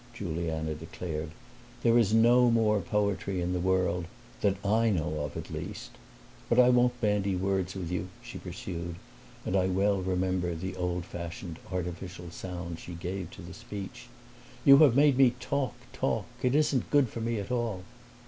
Juliana declared. "There is no more poetry in the world that I know of at least. But I won't bandy words with you," she pursued, and I well remember the old fashioned, artificial sound she gave to the speech. "You have made me talk, talk! It isn't good for me at all."